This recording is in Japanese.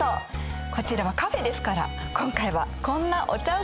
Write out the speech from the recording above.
こちらはカフェですから今回はこんなお茶うけをご用意しました。